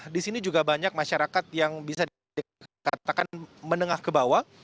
di sini juga banyak masyarakat yang bisa dikatakan menengah ke bawah